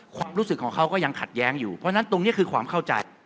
ความรู้สึกของเขาก็ยังขัดแย้งอยู่เพราะฉะนั้นตรงนี้คือความเข้าใจ